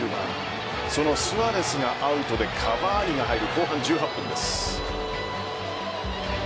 そのスアレスがアウトでカヴァーニが入る後半１８分です。